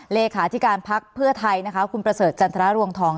เลขาธิการพักเพื่อไทยนะคะคุณประเสริฐจันทรรวงทอง